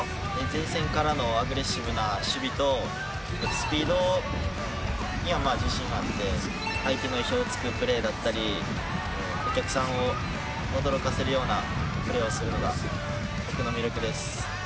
スピードには自信があって相手の意表をつくプレーだったりお客さんを驚かせるようなプレーをするのが僕の魅力です。